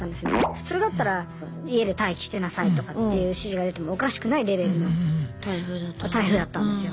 普通だったら家で待機してなさいとかっていう指示が出てもおかしくないレベルの台風だったんですよ。